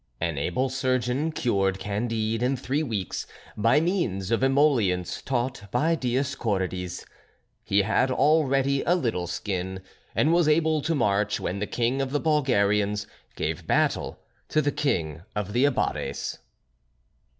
An able surgeon cured Candide in three weeks by means of emollients taught by Dioscorides. He had already a little skin, and was able to march when the King of the Bulgarians gave battle to the King of the Abares.